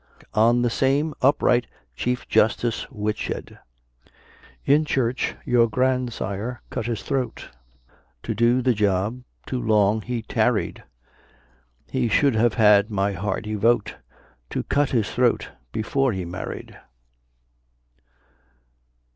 ON THE SAME UPRIGHT CHIEF JUSTICE WHITSHED. In church your grandsire cut his throat: To do the job too long he tarried, He should have had my hearty vote, To cut his throat before he married.